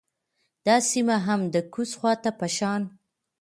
دا سیمه هم د کوز خوات په شان